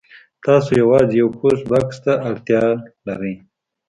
تاسو یوازې یو پوسټ بکس ته اړتیا لرئ